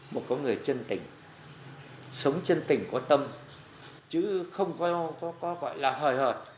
một người chân tỉnh sống chân tỉnh có tâm chứ không có gọi là hời hợp